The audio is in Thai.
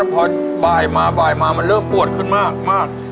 พอบ่ายมาบ่ายมามันเริ่มปวดขึ้นมาก